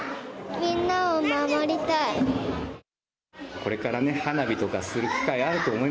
みんなを守りたい。